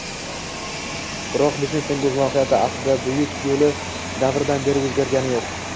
Biroq, biznesning oʻzi mohiyati, aslida, Buyuk Yoʻli davridan beri oʻzgargani yoʻq.